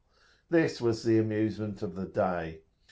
This was the amusement of the day.